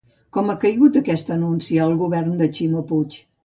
Com ha caigut aquest anunci al govern de Ximo Puig?